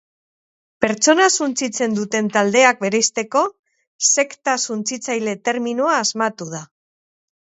Pertsona suntsitzen duten taldeak bereizteko, sekta suntsitzaile terminoa asmatu da.